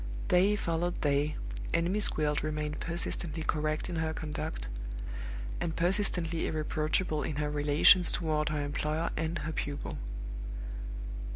Day followed day, and Miss Gwilt remained persistently correct in her conduct, and persistently irreproachable in her relations toward her employer and her pupil.